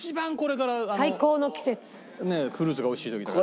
フルーツがおいしい時だから。